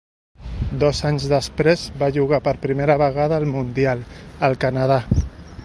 Dos anys després va jugar per primera vegada el Mundial, al Canadà.